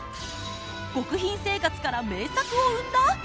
極貧生活から名作を生んだ！？